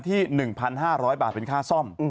ที่๑๕๐๐บาทเป็นค่าซ่อม